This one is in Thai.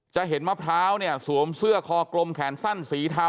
จะเห็นมะพร้าวเนี่ยสวมเสื้อคอกลมแขนสั้นสีเทา